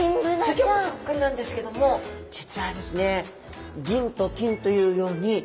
すギョくそっくりなんですけども実はですね